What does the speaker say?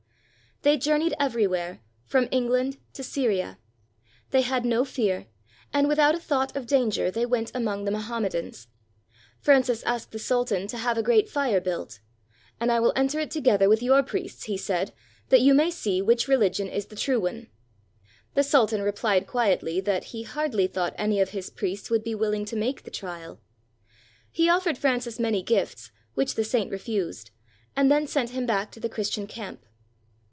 They journeyed everywhere, from England to Syria. They had no fear, and without a thought of danger they went among the Mohammedans. Francis asked the sultan to have a great fire built, "And I will enter into it together with your priests," he said, "that you may see which rehgion is the true one." The sultan repHed quietly that he hardly thought any of his priests would be wilHng to make the trial. He offered Francis many gifts, which the saint refused, and then sent him back to the Chris tian camp.